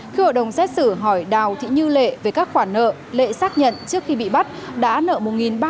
khi hội đồng xét xử hỏi đào thị như lệ về các khoản nợ lệ xác nhận trước khi bị bắt đã nợ một ba trăm linh